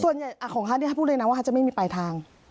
ส่วนใหญ่ของฮัทเนี่ยพูดเลยนะว่าจะไม่มีไปทาง